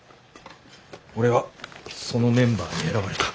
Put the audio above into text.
俺はそのメンバーに選ばれた。